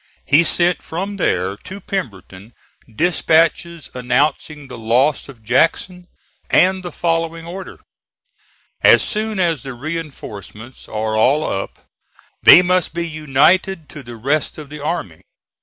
He sent from there to Pemberton dispatches announcing the loss of Jackson, and the following order: "As soon as the reinforcements are all up, they must be united to the rest of the army.